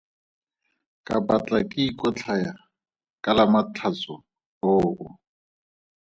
Ka batla ke ikotlhaya ka Lamatlhatso oo.